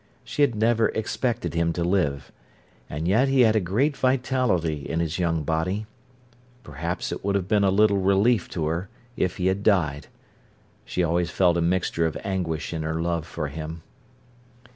She had never expected him to live. And yet he had a great vitality in his young body. Perhaps it would have been a little relief to her if he had died. She always felt a mixture of anguish in her love for him.